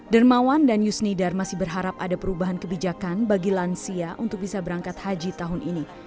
dermawan dan yusnidar masih berharap ada perubahan kebijakan bagi lansia untuk bisa berangkat haji tahun ini